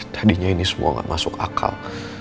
tadinya ini semua gak masuk akal